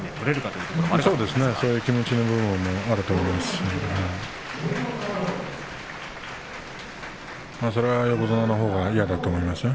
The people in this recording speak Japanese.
そういう気持ちという部分はあると思いますよ。